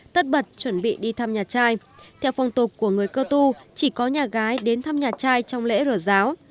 tất bật chuẩn bị đi thăm nhà trai theo phong tục của người cơ tu chỉ có nhà gái đến thăm nhà trai trong lễ rở giáo